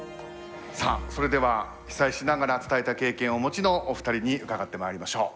さあそれでは被災しながら伝えた経験をお持ちのお二人に伺ってまいりましょう。